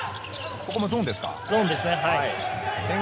ここもゾーンですか。